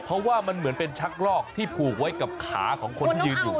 เพราะว่ามันเหมือนเป็นชักลอกที่ผูกไว้กับขาของคนที่ยืนอยู่